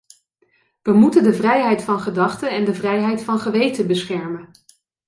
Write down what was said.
We moeten de vrijheid van gedachte en de vrijheid van geweten beschermen.